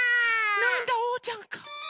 なんだおうちゃんか。